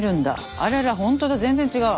あらら本当だ全然違う。